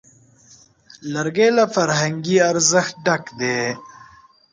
لرګی له فرهنګي ارزښت ډک دی.